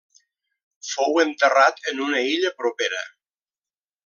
Fou enterrat en una illa propera.